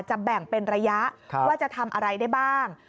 แบ่งเป็นระยะว่าจะทำอะไรได้บ้าง